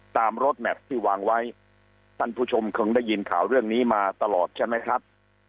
รถแมพที่วางไว้ท่านผู้ชมคงได้ยินข่าวเรื่องนี้มาตลอดใช่ไหมครับ